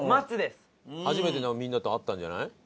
初めてでもみんなと合ったんじゃない？